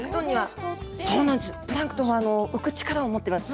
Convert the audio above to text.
プランクトンは浮く力を持っています。